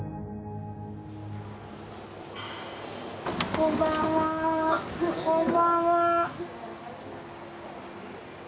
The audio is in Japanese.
こんばんはこんばんは。